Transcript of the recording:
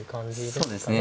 そうですね。